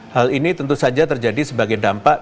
hal ini tentu saja terjadi sebagai dampak